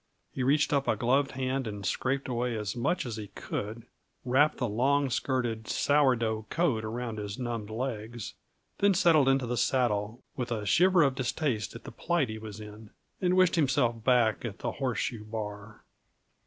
He reached up a gloved hand and scraped away as much as he could, wrapped the long skirted, "sour dough" coat around his numbed legs, then settled into the saddle with a shiver of distaste at the plight he was in, and wished himself back at the Horseshoe Bar.